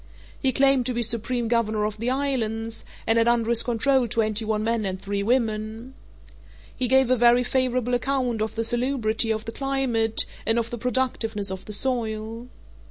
He claimed to be supreme governor of the islands, and had under his control twenty one men and three women. He gave a very favourable account of the salubrity of the climate and of the productiveness of the soil.